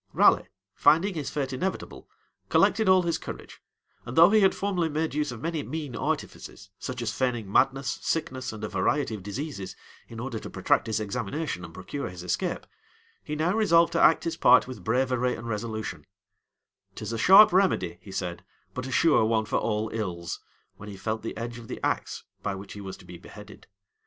Raleigh, finding his fate inevitable, collected all his courage and though he had formerly made use of many mean artifices, such as feigning madness, sickness, and a variety of diseases, in order to protract his examination, and procure his escape, he now resolved to act his part with bravery and resolution, "'Tis a sharp remedy," he said, "but a sure one for all ills," when he felt the edge of the axe by which he was to be beheaded.